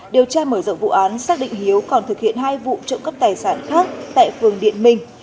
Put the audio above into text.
điều tra mở rộng vụ án xác định hiếu còn thực hiện hai vụ trộm cắp tài sản khác tại phường điện minh